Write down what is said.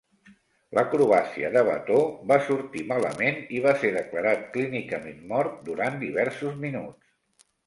L'acrobàcia de Bator va sortir malament i va ser declarat clínicament mort durant diversos minuts.